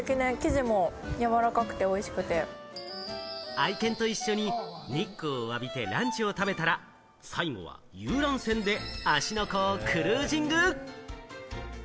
愛犬と一緒に日光を浴びてランチを食べたら、最後は遊覧船で芦ノ湖をクルージング。